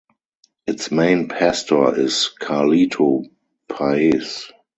Its main pastor is Carlito Paes.